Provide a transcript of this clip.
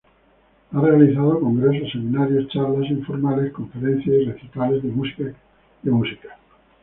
Ha realizado congresos, seminarios, charlas informales, conferencias y recitales de música cristiana.